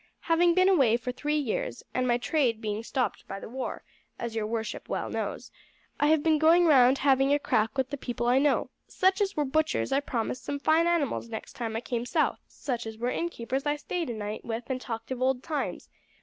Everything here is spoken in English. Having been away for three years, and my trade being stopped by the war, as your worship well knows, I have been going round having a crack with the people I know. Such as were butchers I promised some fine animals next time I came south; such as were innkeepers I stayed a night with and talked of old times.